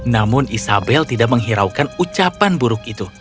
namun isabel tidak menghiraukan ucapan buruk itu